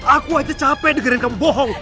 aku aja capek dengerin kamu bohong